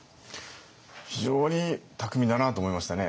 非常に巧みだなと思いましたね。